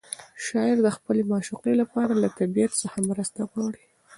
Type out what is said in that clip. شاعر د خپلې معشوقې لپاره له طبیعت څخه مرسته غواړي.